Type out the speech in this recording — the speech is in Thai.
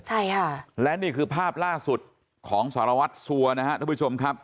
ใช่ค่ะและนี่คือภาพล่าสุดของสารวัตรสัวนะครับทุกผู้ชมครับ